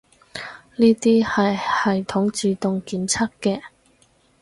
呢啲係系統自動檢測嘅